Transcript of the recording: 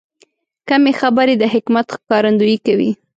کمې خبرې، د حکمت ښکارندویي کوي.